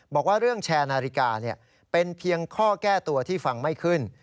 บอกว่าเรื่องแชร์นาฬิกาเป็นเพียงข้อแก้ตัวที่ฟังไม่ขึ้น